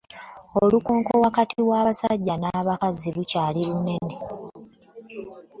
Olukonko wakati wa basajja na bakazi lukyali lunene.